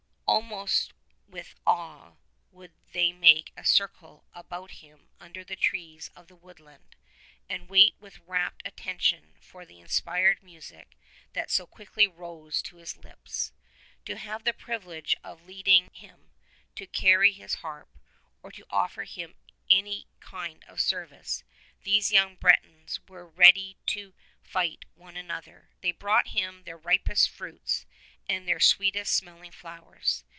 Al most with awe would they make a circle about him under the trees of the woodland, and wait with rapt attention for the inspired music that so quickly rose to his lips. To have the privilege of leading him, to carry his harp, or to offer him any kind of service, these young Bretons were ready to fight one another. They brought him their ripest fruits and their sweetest smelling flowers.